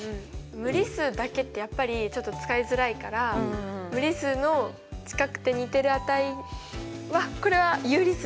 無理数だけってやっぱりちょっと使いづらいから無理数の近くて似てる値はこれは有理数なんですよ。